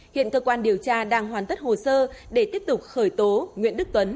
hiện cơ quan điều tra đang hoàn tất hồ sơ để tiếp tục khởi tố nguyễn đức tuấn